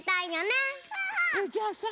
じゃあさ